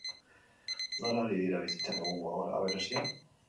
Nola ari dira bizitzen egungo egoera berezia?